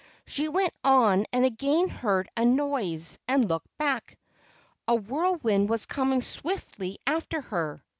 She went on and again heard a noise and looked back. A whirlwind was coming swiftly after her.